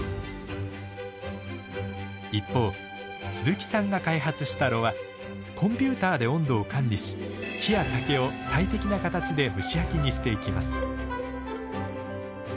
一方鈴木さんが開発した炉はコンピューターで温度を管理し木や竹を最適な形で蒸し焼きにしていきます。